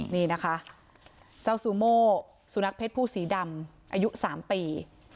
นี่นะคะเจ้าซูโม่สุนัขเศษผู้สีดำอายุ๓ปี